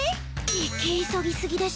生き急ぎ過ぎでしょ。